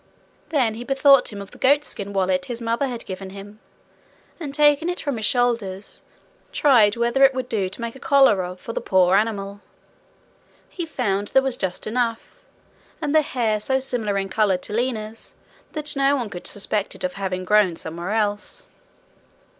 Then he bethought him of the goatskin wallet his mother had given him, and taking it from his shoulders, tried whether it would do to make a collar of for the poor animal. He found there was just enough, and the hair so similar in colour to Lina's, that no one could suspect it of having grown somewhere else.